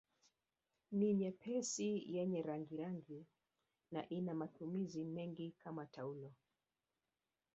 Ni nyepesi yenye rangirangi na ina matumizi mengi kama taulo